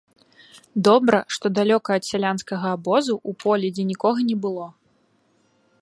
Добра, што далёка ад сялянскага абозу, у полі, дзе нікога не было.